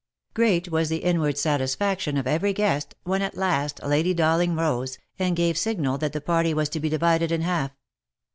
Great was the inward satisfaction of every guest, when at last Lady Dowling rose, and gave signal that the party was to be divided in half.